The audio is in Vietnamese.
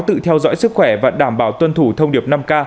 tự theo dõi sức khỏe và đảm bảo tuân thủ thông điệp năm k